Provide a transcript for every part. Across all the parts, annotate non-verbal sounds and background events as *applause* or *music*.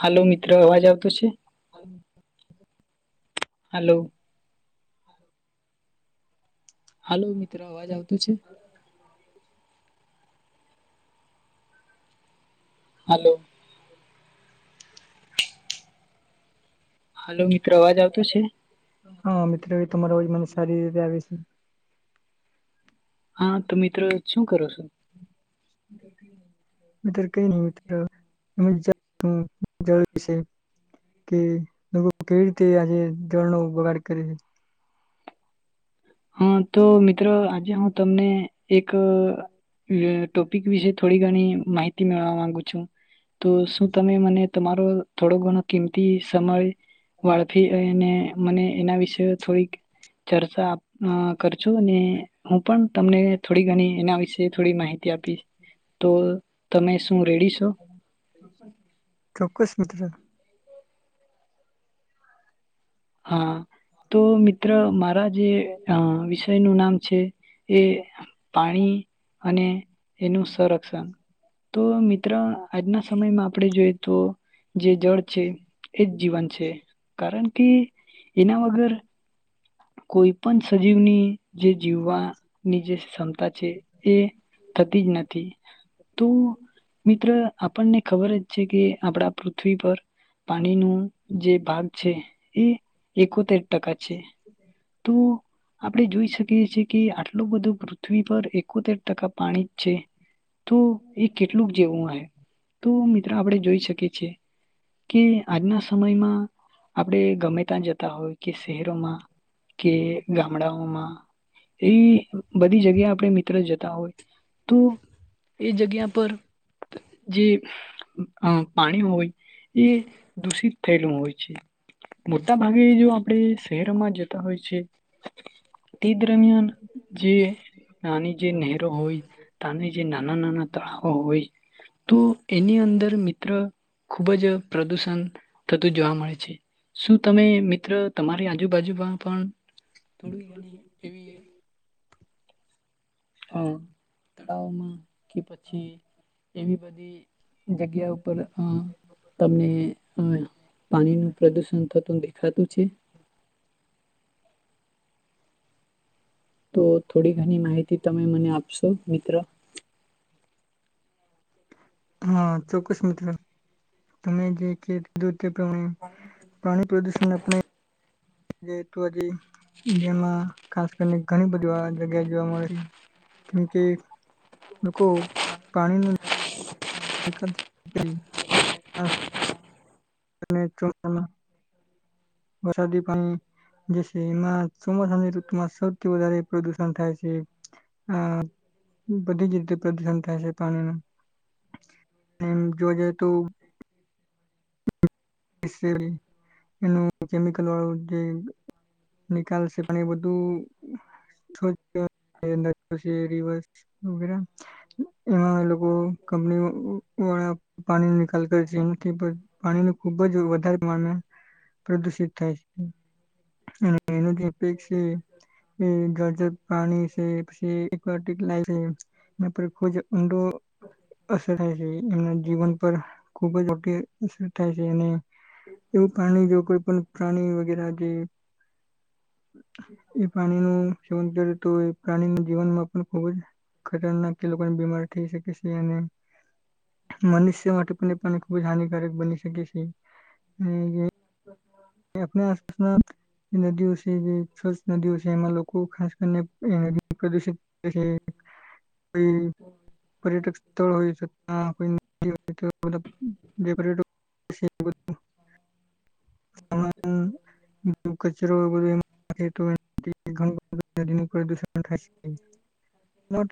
હાલો મિત્રો અવાજ આવતો છે. *inaudible* હાલો હાલો મિત્રો અવાજ આવતો તો છે હલો. *inaudible* હાલો મિત્રો અવાજ આવતો છે. હા મિત્રો એ તમારોજ મને સારી રીતે આવી છે હા તો મિત્રો શું કરો છો? મિત્ર ક ન મિત્ર *inaudible* જરૂરી સે. કે લોકો કેવી રીતે આજે ધરનો બગાડ કરે હા. તો મિત્રો આજ હું તમને એક ટોપિક વિશે થોડી ઘણી માહિતી મેળવા માંગુ છું. તો શું તમે મને તમારો થોડો ઘણો કિંમતી સમય વાળફી અને મને એના વિશે થોડીક ચર્ચા અ કર છું અને હું પણ તમને થોડી ઘણી એના વિશે થોડી માહિતી આપી. તો તમે શું રેડી સો? ચોક્કસ મિત્ર હા તો મિત્ર મારા જે અ *inaudible* નું નામ છે એ પાણી અને એનું સંરક્ષણ તો મિત્ર આજના સમયમાં આપડે જોઈએ તો જે જળ છે એ જ જીવન છે. કારણ કે એના વગર કોઈ પણ સજીવની જે જીવવાની જે ક્ષમતા છે એ થતી જ નથી. તું મિત્ર આપણને ખબર જ છે કે આપડા પૃથ્વી પર પાણીનું જે ભાગ છે એ એકોતેર ટકા છે. તો આપડે જોઈ શકીએ છીએ. કે આટલું બધું પૃથ્વી પર એકોતેર ટકા પાણી જ છે. તો એ કેટલુંક જેવું હોય તો મિત્રો આપણે જોઈ શકીએ છીએ કે આજના સમયમાં આપણે ગમે ત્યા જતા હોય કે શહેરોમાં કે ગામડાઓમાં એવી બધી જગ્યા આપણે મિત્ર જતા હોય તો એ જગ્યા પર જે અ પાણી હોય એ દૂષિત થયેલું હોય છે, મોટા ભાગે જો આપણે શહેરમાં જ હોય છે. તે દરમિયાન જે નાની જે નહેરો હોય તાની જે નાના નાના તળાવો હોય તો એની અંદર મિત્ર ખુબ જ પ્રદુષણ થતું જોવા મળે છે. શું તમે મિત્ર તમારી આજુબાજુમાં પણ થોડી ઘણી *inaudible* હા તળાવમાં કે પછી એવી બધી જગ્યા ઉપર અ તમને અ પાણી નું પ્રદુષણ થતું દે ખાતું છે? તો થોડી ઘણી માહિતી તમે મને આપશો મિત્ર. હા ચોક્કસ મિત્ર તમે જે *unintelligible* દૂધ તે પણ પાણી પ્રદૂષણ આપણે *unintelligible* ઈન્ડિયામાં ખાસ કરીને ઘણી બધી જગ્યાએ જોવા મળે છે કેમકે લોકો પાણીનું *inaudible* અને ચો પ વરસાદી પાણી જે છે એમાં ચોમાસાની ઋતુમાં સૌથી વધારે પ્રદુષણ થાય છે. હ, બધી જ રીતે પ્રદુષણ થાય છે પાણીનું. એમ જઈએ તો એ *unintelligible* શેરિંગ એનું કેમિકલ *inaudible* જે નિકાલ છે પણ એ બધું *unintelligible* એમાં એ લોકો કંપની વાળા પાણી નિકાલ કર છે, જેમ કે બ પાણીનું ખુબ જ વધારે પ્રમાણમાં પ્રદુષિત *inaudible* એ જે છે એ જજર પાણી છે *unintelligible* એના પર ખુબ ઊડો અસર થાય છે એના જીવન પર ખૂબ જ ઓકે *unintelligible* થાય છે અને એવું પ્રાણી જો કોઈ પણ પ્રાણી વગેરે જે એ પાણીનું સેવન કરે તો એ પ્રાણી જીવનમાં પણ ખુબ જ ખતરનાક એ લોકોને બીમાર થઈ શકે છે અને મનુષ્ય માટે પણ એ પણ ખૂબ જ હાનિ થઈ શકે છે અને એ આપણી આસપાસના નદીઓ છે જે સ્વચ્છ નદીઓ છે એમાં લોકો ખાસ કરીને નદી પ્રદુષિત કરે છે. કોઈ પર્યટક સ્થળ હોય *unintelligible* *inaudible* *inaudible* એમા પણ કચરો અને *unintelligible* *unintelligible* પ્રદૂષણ ન ખાસ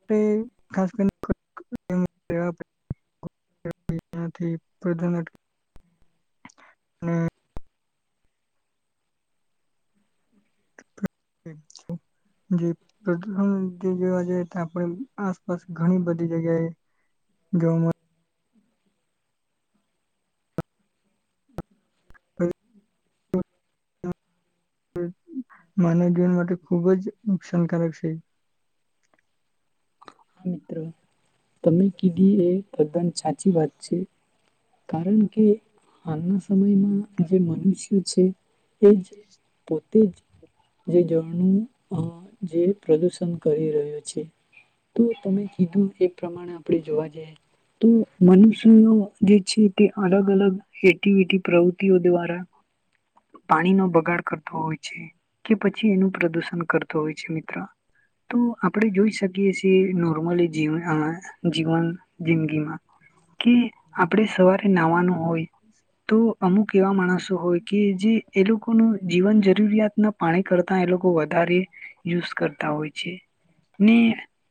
*inaudible* ખાસ કરીને *unintelligible* અને *inaudible* જે પ્રદૂષણ કે જોવા જઈએ તો આપણ આસપાસ ઘણી બધી જગ્યાએ જોવા મળે. *inaudible* મળે *inaudible* માનવ જીવન માટે ખૂબ જ નુકસાનકારક છે. હા મિત્રો તમે કીધી એ તદ્દન સાચી વાત છે, કારણ કે હાલના સમયમાં જે મનુષ્યો છે. એજ પો તે જે જળનું અ જે પ્રદુષણ કરી રહ્યો છે. તો તમે કીધું એ પ્રમાણે આપણે જોવા જઈ તો મનુષ્યો જે છે તે અલગ અલગ એક્ટિવિટી પ્રવૃત્તિઓ દ્વારા પાણીનો બગાડ કરતો હોય છે કે પછી એનું પ્રદુષણ કરતો હોય છે મિત્ર તો આપણે જોઈ શકીએ નોર્મલી જીવન જિંદગીમાં કે આપણે સવારે નાવાનું હોય તો અમુક એવા માણસો હોય કે જે એ લોકોનું જીવન જરૂરિયાતના પાણી કરતા એ લોકો વધારે યુઝ કરતા હોય છે ને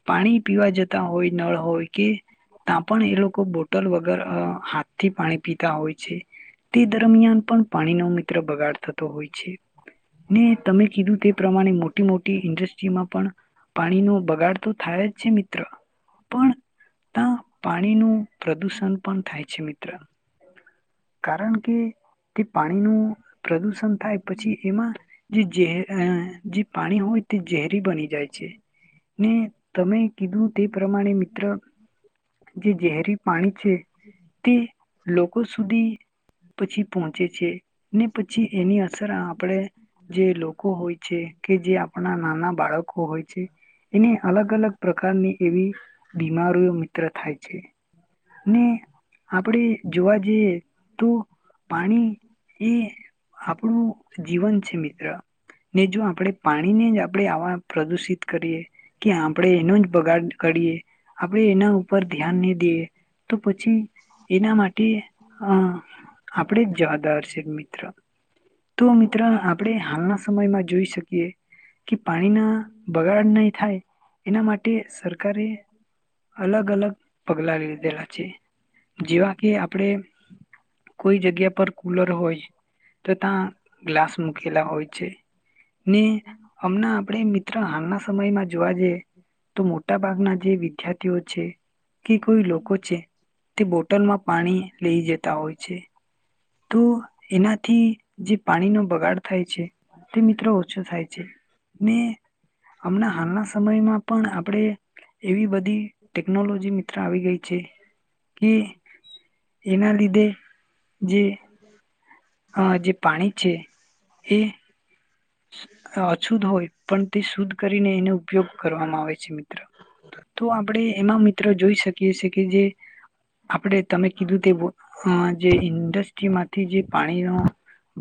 પાણી પીવા જતા હોય નળ હોય કે ત્યાં પણ એ લોકો બોટ પણ વગર હાથ થી પાણી પિતા હોય છે. તે દરમિયાન પણ પાણી ન મિત્ર બગાડ થતો હોય. ને તમે કીધું તે પ્રમાણે મોટી મોટી ઇન્ડસ્ટ્રી માં પણ પાણી ન બગાડ તો થાય જ છે મિત્ર પણ ત્યાં પાણીનું પ્રદુષણ પણ થાય છે મિત્ર કારણ કે તે પાણીનું પ્રદુષણ થાય પછી એમાં જે જે જે પાણી હોય તે ઝેરી બની જાય છે ને તમે કીધું તે પ્રમાણેિત જે ઝરી પાણી જ તે લોકો સુધી પછી પહોંચે છે. ને પછી એની અસર આપડે જે લોકો હોય છે કે જે આપણા નાના બાળક હોય છે એને અલગ અલગ પ્રકારની એવી બીમારીઓ મિત્ર થાય છે. ને આપણે જોવા જઈએ તો પાણી એ આપણું જીવન છે મિત્ર ને જો આપણે પાણીને જ આપણે આવા પ્રદુષિત કરીએ કે આપણેે એનો જ બગાડ કરીએ આપણે એના ઉપર ધ્યાન નહી દઈએ તો પછી એના માટે અ આપણે જ જવાદાર છે મિત્ર તો મિત્ર આપણે હાલના સમયમાં જોઈ શકીએ કે પાણીના બગાડ નહીં થાય એના માટે સરકારે અલગ અલગ પગલારી જેવા કે આપણે કોઈ જગ્યા પર કુલર હોય તો ત્યાં ગ્લાસ મૂકેલા હોય છે ને હમણા આપણે મિત્ર હાલના સમયમાં જોવા જઈએ તો મોટ ભાગ ના જે વિદ્યાર્થીઓ છે કે કોઈક તે બોટલ માં પાણી લઈ જતા હોય છે... તો એનાથી જે પાણીનો બગાડ થાય છે તે મિત્રો ઓછો થાય છે ને હમણા હાલના સમયમાં પણ આપણે એવી બધી ટેકનોલોજી મિત્ર આવી ગઈ છે... કે *unintelligible* એના લીધે હમ હા જે પાણી છે એ અશુદ્ધ હોય પણ તે શુદ્ધ કરીને એનો ઉપયોગ કરવામાં આવે છે મિત્ર તો આપણે એમાં મિત્ર જોઈ શકીએ છે કે જે આપણે તમે કીધું તે જે ઇન્ડસ્ટ્રીમાંથી જે પાણીનો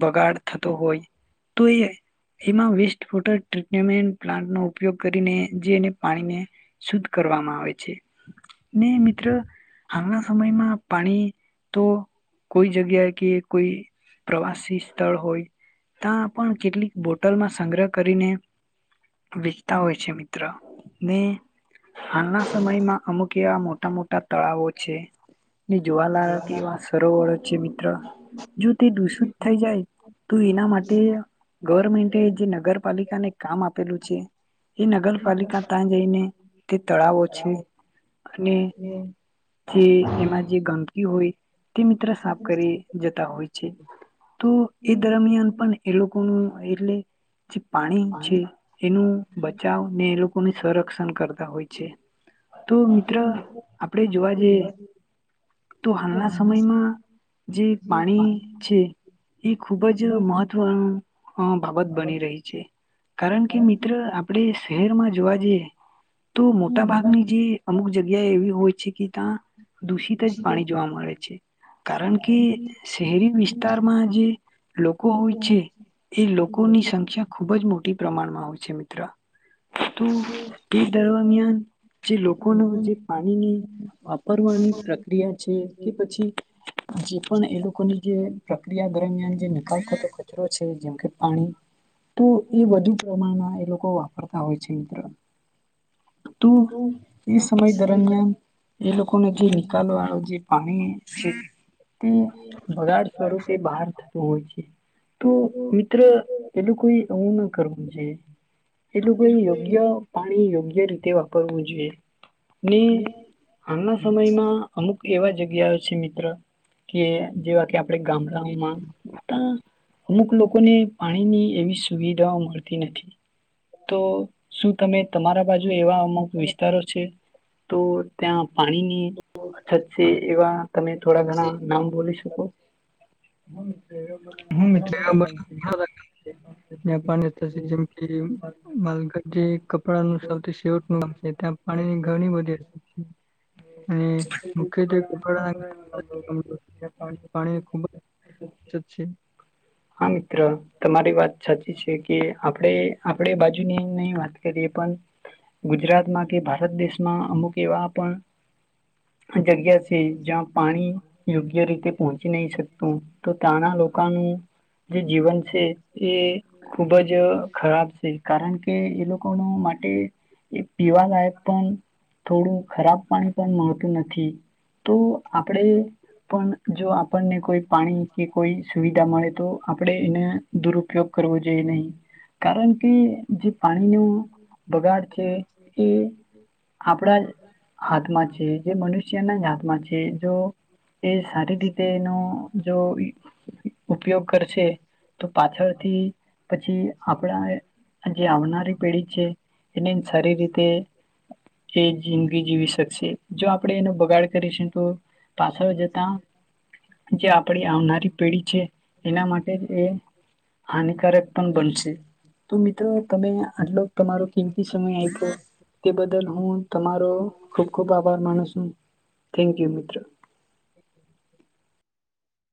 બગાડ થતો હોય તો એ એમાં વેસ્ટ વોટર ટ્રીટમેન્ટ પ્લાન્ટનોો ઉપયોગ કરીને જે એને પાણીને શુદ્ધ કરવામાં આવે છે ને મિત્ર હાલના સમયમાં પાણી તો કોઈ જગ્યા કે કોઈ પ્રવાસી સ્થળ હોય ત્યાં પણ કેટલીક બોટલમાં સંગ્રહ કરીને વેચતા હોય છે મિત્ર ને હાલના સમયમાં અમુક કેયા મોટા મોટા તળાવો છે ને જોવા લ તેવા સરોવરો છે મિત્ર જો તે દૂષિત થઈ જાય તો એના માટે ગવર્મેન્ટ એ જે નગરપલિકા ને કામ આપેલું છે એ નગરપાલિકા ત્યાં જઈને તે તળાવો છે અને તે એમાં જે ગમકી હોય તે મિત્ર સાફ કરી જતા હોય છે તો એ દરમિયાન પણ એ લોકો એરલે *inaudible* જે પાણી છે એનું બચાવ ને એ લોકોને સંરક્ષણ કરતા હોય છે તો મિત્ર આપણે જોવા જઈએ તો હાલના સમયમાં જે પાણી છે એ ખુબ જ મહત્વનું અ બાબત બની રહી છે કારણ કે મિત્ર આપણે શહેરમાં જોવા જઈએ તો મોટા ભાગની જે અમુક જગ્યા એવી હોય છે કે ત્યાં દૂષિત જ પાણી જોવા મળે છે કારણ કે શહેરી વિસ્તારમાં જે લોકો હોય છે એ લોકોની સંખ્યા ખૂબ જ મોટી પ્રમાણમાં હોય છે મિત્ર તો એ દરમિયાન જે લોકોનો જે પાણીની વાપરવાની પ્રક્રિયા છે કે પછી જે પણ એ લોકોની જે પ્રક્રિયા દરમિયાન જે નિકકતો જો છે *inaudible* જેમ કે પાણી તો એ વધુ પ્રમાણમાં એ લોકો વાપરતા હોય છે મિત્ર તો એ સમય દરમિયાન એ લોકોને જે નિકાલ વાળું જે પાણી છે તે બગાડ સ્વરૂપે બહાર થતું હોય છે તો મિત્ર એલું કોઈ એું ના કરવું છે એલું કોઈ યોગ્ય પાણી યોગ્ય રીતે વાપરવું જોઈએ ને હાલના સમયમાં અમુક એવા જગ્યાઓ છે મિત્ર કે જેવા કે આપે ગામડાઓમાં ત અમુક લોકોને પાણીની એવી સુવિધાઓ મળતી નથી. તો શું તમે તમારા બાજુ એવા અમુક વિસ્તારો છે. તો ત્યાં પાણીની અછત છે, એવા તમે થોડા ઘણા નામ બોલી શકો? હ *unintelligible* હ મિત્રો બસ જ્યા પાણીશે જેમ કે માલગઢ જે કપડાનું સૌથી શેવટનું ગામ છે ત્યાં પાણીની ઘણી બધી હશે. હમ *unintelligible* છે કપડા જ્યાં પાણી ખુબ પાણી ખૂબ જ અછત છે. હા મિત્ર તમારી વાત સાચી છે કે આપણે આપણે બાજુની નહી વાત કરીએ પણ ગુજરાતમાં કે ભારત દેશમાં અમુક એવા પણ જગ્યા છે જ્યાં પાણી યોગ્ય રીતે પહોંચી નહીં શકતું, તો ત્યાંના લોકોનું જે જીવન છે એ ખુબ જ ખરાબ છે કારણ કે એ લોકો માટે હ પીવાલાાયક પણ થોડું ખરાબ પાણી પણ મળતું નથી તો આપણેે પણ જો આપણને કોઈ પાણી કે કોઈ સુવિધા મળે તો આપડે એને દુરુપયોગ કરવો જોઈએ નહી કારણ કે જે પાણીનો બગાડ છે એ આપણા હાથમાં છે જે મનુષ્યના જ હાથમાં છે જો એ સારી રીતે એનો જો ઉપયોગ કરશે તો પાછળથી પછી આપણા જે આવનારી પેઢી છે એની સારી રીતે એ જિંદગી જીવી શકશે જો આપ આપણે એનો બગાડ કરીશ તો પાછળ જતા જે આપડી આવનારી પેઢી છે એના માટે એ હાનિકારક પણ બનશે તો મિત્રો તમે આટલો તમારો કેમતી સમય આપ્યો તે બદલ હું તમારો ખુબ ખુબ આભાર માનું છું થેન્ક યુ મિત્ર *inaudible*